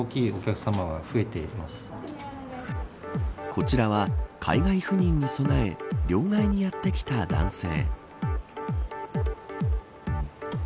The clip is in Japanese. こちらは、海外赴任に備え両替にやってきた男性。